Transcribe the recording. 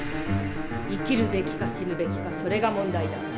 生きるべきか死ぬべきかそれが問題だ。